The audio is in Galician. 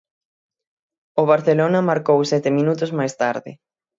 O Barcelona marcou sete minutos máis tarde.